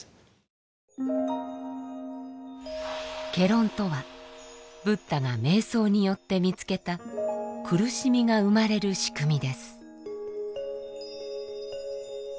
戯論とはブッダが瞑想によって見つけた苦しみが生まれる仕組みです。